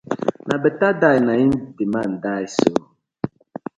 Na betta die na im di man die so.